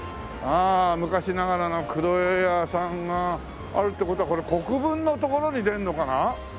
ああ昔ながらの黒江屋さんがあるって事はこれ国分の所に出るのかな？